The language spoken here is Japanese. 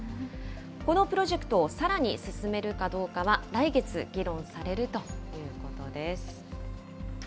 このプロジェクトをさらに進めるかどうかは、来月議論されるということです。